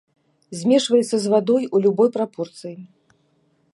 Змешваецца з вадой у любой прапорцыі.